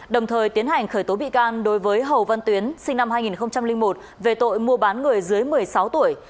đồng thời tiến hành khởi tố bị can đối với hồ văn tuyến sinh năm hai nghìn một về tội mua bán người dưới một mươi sáu tuổi